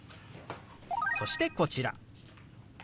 そしてこちら。